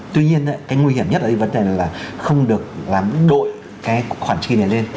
tuy nhiên cái nguy hiểm nhất là vấn đề là không được làm đội cái khoản trị này lên